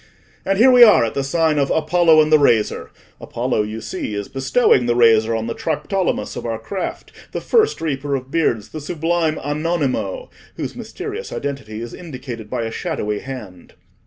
And here we are at the sign of 'Apollo and the Razor.' Apollo, you see, is bestowing the razor on the Triptolemus of our craft, the first reaper of beards, the sublime Anonimo, whose mysterious identity is indicated by a shadowy hand."